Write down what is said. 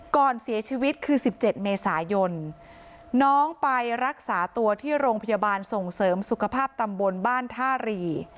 ก่อนเสียชีวิตคือ๑๗เมษายนน้องไปรักษาตัวที่โรงพยาบาลส่งเสริมสุขภาพตำบลบ้านท่ารี